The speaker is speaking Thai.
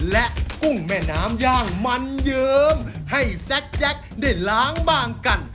และกุ้งแม่น้ำย่างมันเยิ้มให้แซ็กแจ็คได้ล้างบางกัน